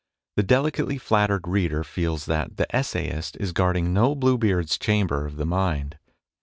The delicately flattered reader feels that the essayist is guarding no Bluebeard's chamber of the mind.